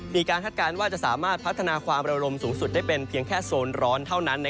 คาดการณ์ว่าจะสามารถพัฒนาความระลมสูงสุดได้เป็นเพียงแค่โซนร้อนเท่านั้น